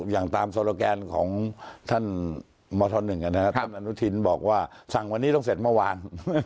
อย่างตามโซโลแกนของท่านมธ๑ท่านอนุทินบอกว่าสั่งวันนี้ต้องเสร็จเมื่อวาน